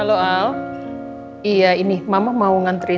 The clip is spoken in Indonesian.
udah lihatin saya makan aja udah